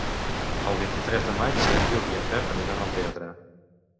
El vint-i-tres de maig en Lluc i en Pep aniran al teatre.